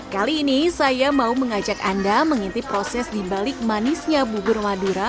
kali ini saya mau mengajak anda mengintip proses dibalik manisnya bubur madura